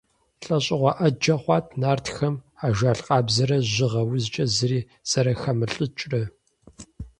ЛӀэщӀыгъуэ Ӏэджэ хъуат нартхэм ажал къабзэрэ жьыгъэ узкӀэ зыри зэрахэмылӀыкӀрэ.